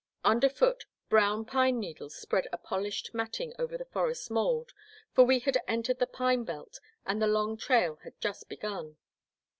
171 Under foot, brown pine needles spread a polished matting over the forest mould, for we had entered the pine belt and the long trail had just begun.